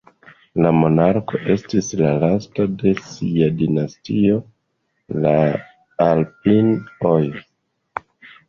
La monarko estis la lasta de sia dinastio, la "Alpin"oj.